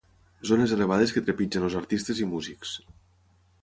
Zones elevades que trepitgen els artistes i músics.